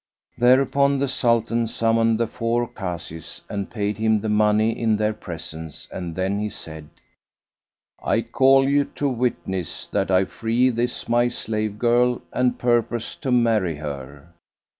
Thereupon the Sultan summoned the four Kazis and paid him the money in their presence and then he said, "I call you to witness that I free this my slave girl and purpose to marry her."